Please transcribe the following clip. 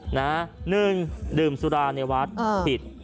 หนึ่งดื่มสุราในวัดผิด